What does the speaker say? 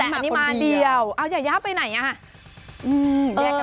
แต่อันนี้มาเดียวเอายาไปไหนน่ะ